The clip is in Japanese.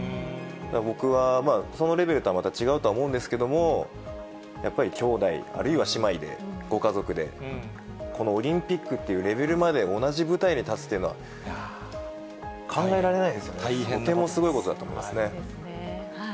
僕はそのレベルとはまた違うとは思うんですけれども、やっぱり兄弟、あるいは姉妹で、ご家族で、このオリンピックっていうレベルまで、同じ舞台に立つっていうのは、とてもすごいことだと思いますよね。